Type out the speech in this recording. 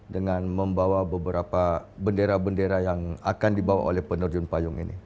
dengan membawa beberapa bendera bendera yang akan dibawa oleh penerjun payung ini